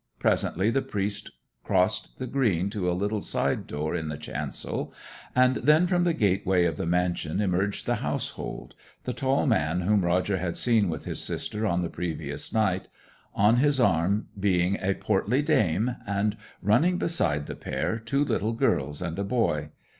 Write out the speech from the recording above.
Presently the priest crossed the green to a little side door in the chancel, and then from the gateway of the mansion emerged the household, the tall man whom Roger had seen with his sister on the previous night, on his arm being a portly dame, and, running beside the pair, two little girls and a boy.